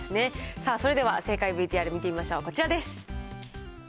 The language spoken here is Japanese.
さあ、それでは正解ＶＴＲ見てみましょう、こちらです。